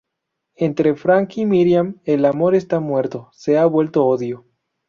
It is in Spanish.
Entre Franck y Miriam, el amor está muerto; se ha vuelto odio.